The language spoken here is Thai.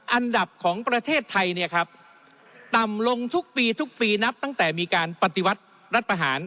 อันดับของประเทศไทยเนี่ยครับต่ำลงทุกปีทุกปีนับตั้งแต่มีการปฏิวัติรัฐประหาร